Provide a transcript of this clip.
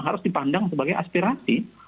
harus dipandang sebagai aspirasi